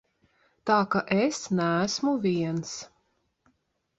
Tā ka es neesmu viens.